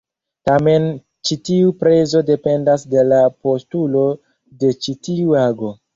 Tamen ĉi tiu prezo dependas de la postulo de ĉi tiu ago.